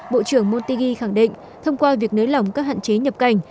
bộ trưởng montegi khẳng định thông qua việc nới lỏng các hạn chế nhập cảnh